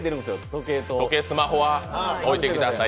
時計、スマホは置いてくださいと。